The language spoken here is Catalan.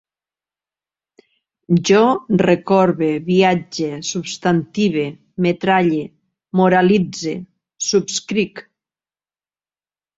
Jo recorbe, viatge, substantive, metralle, moralitze, subscric